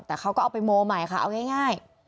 แต่เขาก็เอาไปโมใหม่ค่ะเอาง่าย